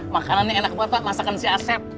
makanannya enak buat pak masakan si asep